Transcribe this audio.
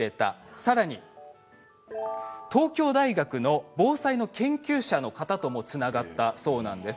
さらに東京大学の防災の研究者の方ともつながったそうです。